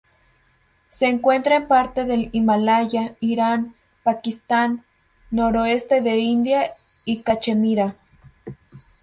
Se encuentra en parte del Himalaya, Irán, Pakistán, noroeste de India y Cachemira.